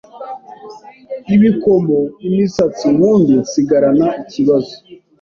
ibikomo, imisatsi, ubundi nsigarana ikibazo